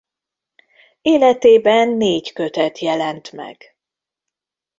Életében négy kötet jelent meg.